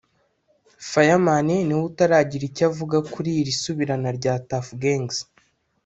Fireman niwe utaragira icyo avuga kuri iri subirana rya Tuff Gangs